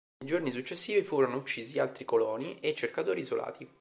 Nei giorni successivi, furono uccisi altri coloni e cercatori isolati.